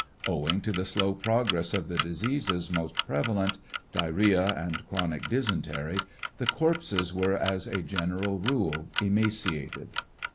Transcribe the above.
Owing to the slow progress of the diseases most prevalent, diarrhea and chronic dysentery, the corpses were as a general rule emaciated.